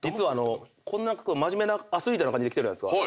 こんな真面目なアスリートな感じで来てるじゃないですか。